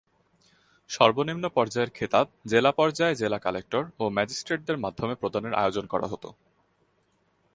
সর্বনিম্ন পর্যায়ের খেতাব জেলা পর্যায়ে জেলা কালেক্টর ও ম্যাজিস্ট্রেটদের মাধ্যমে প্রদানের আয়োজন করা হতো।